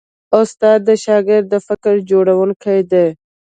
استاد د شاګرد د فکر جوړوونکی دی.